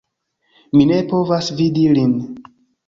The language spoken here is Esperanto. Mi ne povas vidi lin